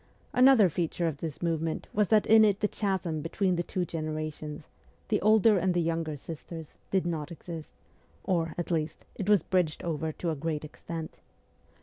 Another feature of this movement was that in it the chasm between the two generations the older and the younger sisters did not exist ; or, at least, it was bridged over to a great extent.